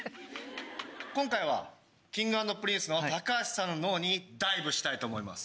今回はＫｉｎｇ＆Ｐｒｉｎｃｅの橋さんの脳にダイブしたいと思います。